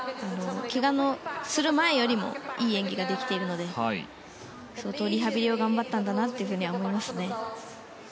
けがする前よりもいい演技ができているので相当リハビリを頑張ったんだと思います。